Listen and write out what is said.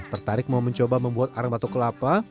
tertarik mau mencoba membuat arang batok kelapa